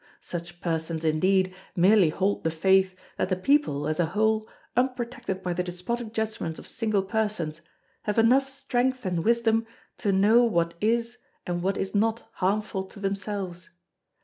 Such persons, indeed, merely hold the faith that the People, as a whole, unprotected by the despotic judgments of single persons, have enough strength and wisdom to know what is and what is not harmful to themselves.